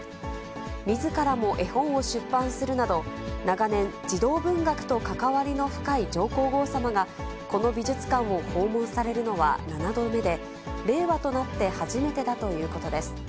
みずからも絵本を出版するなど、長年、児童文学と関わりの深い上皇后さまが、この美術館を訪問されるのは７度目で、令和となって初めてだということです。